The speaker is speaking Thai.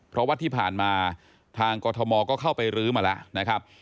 เพราะว่าที่ผ่านมาทางกรทมก็เข้าไปรื้อมาแล้วนะครับ